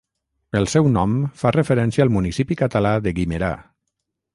El seu nom fa referència al municipi català de Guimerà.